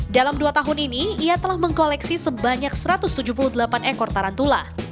dalam dua tahun ini ia telah mengkoleksi sebanyak satu ratus tujuh puluh delapan ekor tarantula